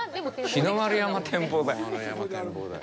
日の丸山展望台。